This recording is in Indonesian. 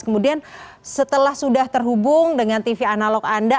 kemudian setelah sudah terhubung dengan tv analog anda